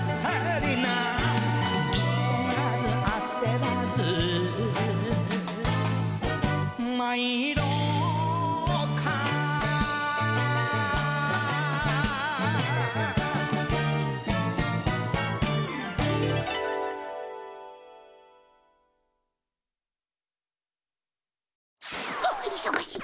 はあいそがしい！